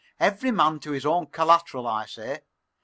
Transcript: Every man to his own collateral, I say.